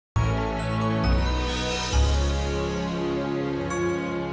terima kasih banyak